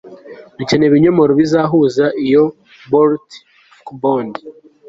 Dukeneye ibinyomoro bizahuza iyo bolt fcbond